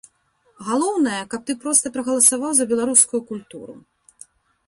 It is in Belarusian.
Галоўнае, каб ты проста прагаласаваў за беларускую культуру.